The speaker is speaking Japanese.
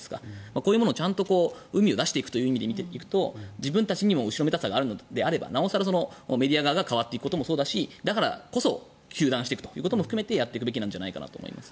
こういうものを、うみをちゃんと出していくというところで見ていくと自分たちにも後ろめたさがあるのであればメディアが変わっていくのもそうだしだからこそ糾弾していくことも含めてやっていくべきだと思います。